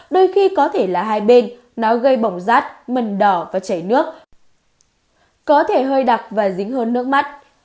đôi khi có thể là hai bên nó gây bỏng rát mần đỏ và chảy nước có thể hơi đặc và dính hơn nước mắt